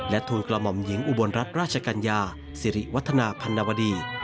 ทูลกระหม่อมหญิงอุบลรัฐราชกัญญาสิริวัฒนาพันนวดี